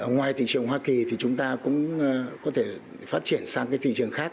ngoài thị trường hoa kỳ thì chúng ta cũng có thể phát triển sang cái thị trường khác